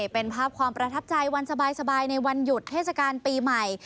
เป็นภาพความประทับใจวันสบายในวันหยุดเทศกาลปีใหม่